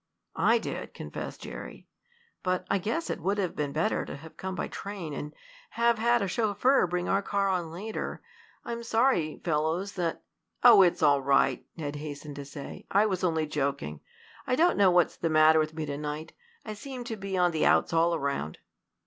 "I did," confessed Jerry. "But I guess it would have been better to have come by train, and have had a chauffeur bring our car on later. I'm sorry, fellows, that " "Oh, it's all right," Ned hastened to say. "I was only joking. I don't know what's the matter with me to night. I seem to be on the outs all around."